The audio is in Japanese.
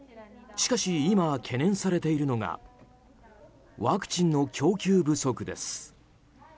しかし今、懸念されているのがワクチンの供給不足です。